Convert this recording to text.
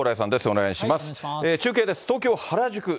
お願いします。